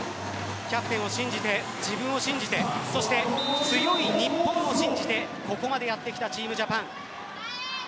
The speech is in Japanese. キャプテンを信じて自分を信じてそして、強い日本を信じてここまでやってきたチームジャパン。